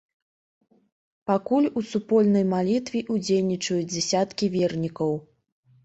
Пакуль у супольнай малітве ўдзельнічаюць дзясяткі вернікаў.